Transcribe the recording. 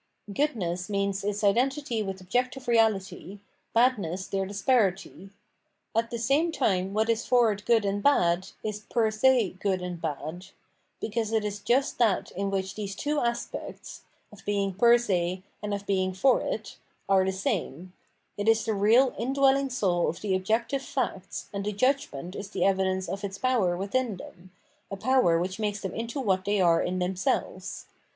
Goodness means its identity with objective reality, badness their disparity. At the same time what is for it good and bad, is pe/r se good and bad ; because it is just that in which these two aspects — of being per se, and of being for it — are the same : it is the real indwelling soul of the objective facts, and the judgment is the evidence of its power within them, a power which makes them into what they are in themselves.